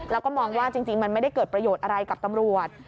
แล้วก็มองว่าจริงมันไม่ได้เกิดประโยชน์อะไรกับตำรวจ